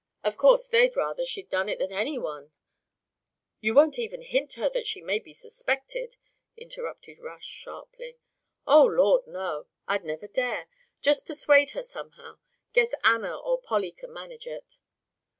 Of course, they'd rather she'd done it than any one " "You won't even hint to her that she may be suspected?" interrupted Rush, sharply. "Oh, Lord, no. I'd never dare. Just persuade her somehow. Guess Anna or Polly can manage it."